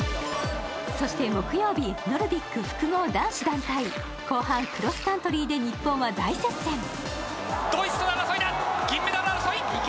そして木曜日、ノルディック複合男子団体後半クロスカントリーで日本は大接戦。